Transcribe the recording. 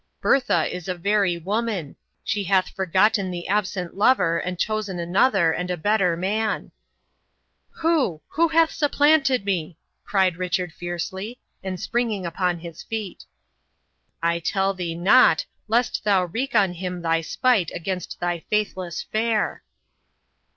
"Bertha is a very woman. She hath forgotten the absent lover, and chosen another, and a better man." "Who, who hath supplanted me?" cried Richard fiercely, and springing upon his feet. "I tell thee not, lest thou wreak on him thy spite against thy faithless fair."